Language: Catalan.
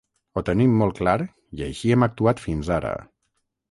Ho tenim molt clar i així hem actuat fins ara.